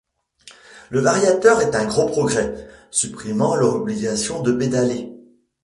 Le variateur est un gros progrès, supprimant l'obligation de pédaler.